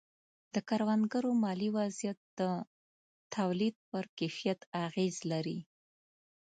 د کروندګرو مالي وضعیت د تولید پر کیفیت اغېز لري.